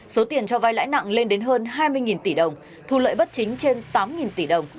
số tiền cho vai lãi nặng lên đến hơn hai mươi tỷ đồng thu lợi bất chính trên tám tỷ đồng